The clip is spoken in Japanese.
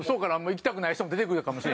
行きたくない人も出てくるかもしれん。